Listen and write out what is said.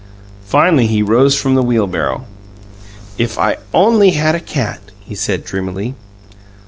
Finally, he rose from the wheelbarrow. "If I only had a cat!" he said dreamily.